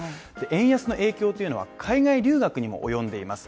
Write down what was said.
円安の影響というのは、海外留学にもおよんでいます